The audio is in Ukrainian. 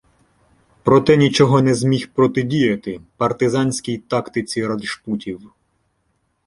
Проте нічого не зміг протидіяти партизанській тактиці раджпутів.